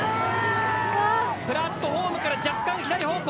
プラットホームから若干左方向。